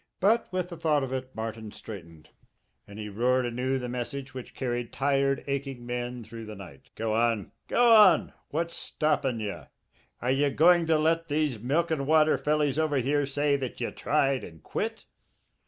But with the thought of it Martin straightened, and he roared anew the message which carried tired, aching men through the night: "Go on! Go on! What's stoppin' ye? Are ye going to let these milk an' water fellys over here say that ye tried and quit?"